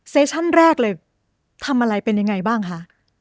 ชั่นแรกเลยทำอะไรเป็นยังไงบ้างคะ